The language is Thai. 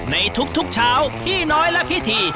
ในทุกเช้าพี่น้อยและพี่ที